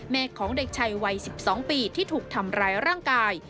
ของเด็กชายวัย๑๒ปีที่ถูกทำร้ายร่างกาย